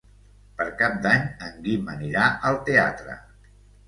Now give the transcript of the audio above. Per Cap d'Any en Guim anirà al teatre.